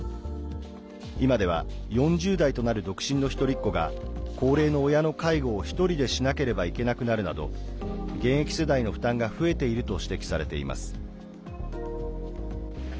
今では、４０代となる独身の一人っ子が高齢の親の介護を、１人でしなければいけなくなるなど現役世代の負担が増えていると指摘されています。